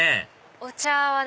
お茶はね